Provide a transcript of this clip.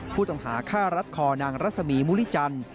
ผู้ต้องหาฆ่ารัดคอนางรัศมีมุริจันทร์